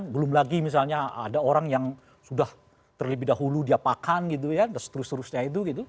belum lagi misalnya ada orang yang sudah terlebih dahulu diapakan dan seterusnya